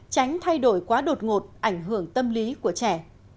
tránh thay đổi quá đột ngột ảnh hưởng tâm lý của trẻ